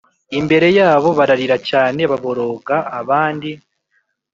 Imbere yabo bararira cyane baboroga abandi